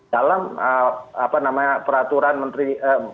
dalam peraturan menteri